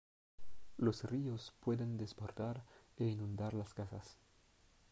Los ríos pueden desbordar e inundar las casas.